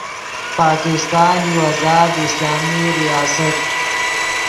پاکستان یو آزاد اسلامی ریاست